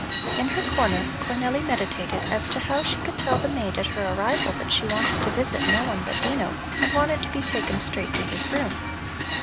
In her corner Cornelli meditated as to how she could tell the maid at her arrival that she wanted to visit no one but Dino, and wanted to be taken straight to his room.